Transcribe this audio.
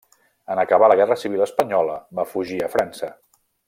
En acabar la guerra civil espanyola va fugir a França.